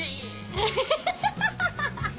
アハハハ！